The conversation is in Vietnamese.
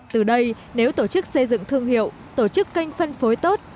từ đây nếu tổ chức xây dựng thương hiệu tổ chức kênh phân phối tốt